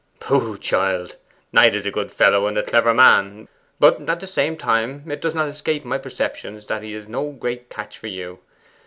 'Pooh, child. Knight is a good fellow and a clever man; but at the same time it does not escape my perceptions that he is no great catch for you.